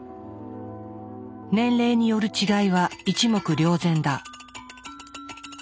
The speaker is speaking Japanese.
年齢による違いは一目瞭然だ。